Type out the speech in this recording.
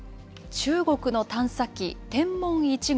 中国の探査機天問１号。